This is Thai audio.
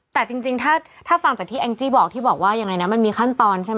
แต่จริงถ้าฟังจากที่แองจี้บอกที่บอกว่ายังไงนะมันมีขั้นตอนใช่ไหม